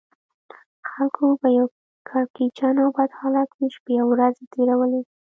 خلکو په یو کړکېچن او بد حالت کې شپې او ورځې تېرولې.